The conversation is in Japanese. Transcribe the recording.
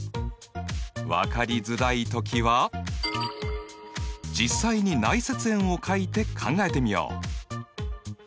分かりづらい時は実際に内接円を書いて考えてみよう！